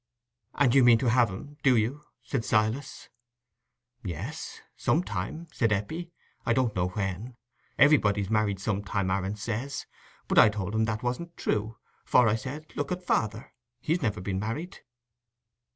"And you mean to have him, do you?" said Silas. "Yes, some time," said Eppie, "I don't know when. Everybody's married some time, Aaron says. But I told him that wasn't true: for, I said, look at father—he's never been married."